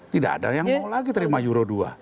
tidak ada yang mau lagi terima euro dua